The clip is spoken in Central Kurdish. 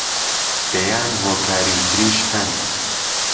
دەیان هۆکاری تریش هەن